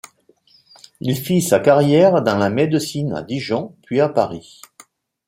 Il fit sa carrière dans la médecine à Dijon puis à Paris.